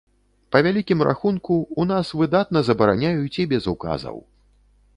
Па вялікім рахунку, у нас выдатна забараняюць і без указаў.